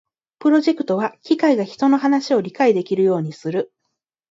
プロジェクトは機械が人の話を理解できるようにする